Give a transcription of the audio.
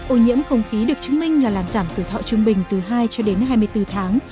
ô nhiễm không khí được chứng minh là làm giảm tuổi thọ trung bình từ hai cho đến hai mươi bốn tháng